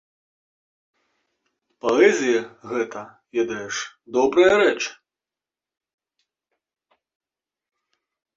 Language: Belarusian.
Паэзія, гэта, ведаеш, добрая рэч.